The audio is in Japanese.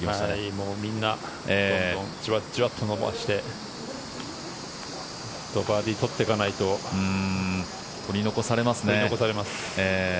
もうみんなどんどんじわじわと伸ばしてバーディーを取っていかないと取り残されます。